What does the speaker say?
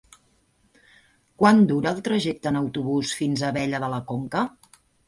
Quant dura el trajecte en autobús fins a Abella de la Conca?